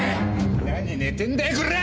何寝てんだよこら！